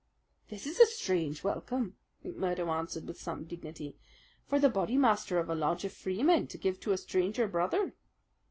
"This is a strange welcome," McMurdo answered with some dignity, "for the Bodymaster of a lodge of Freemen to give to a stranger brother."